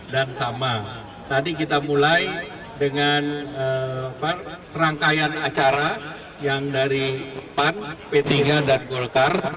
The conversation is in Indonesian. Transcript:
dan sama tadi kita mulai dengan perangkaian acara yang dari pan p tiga dan golkar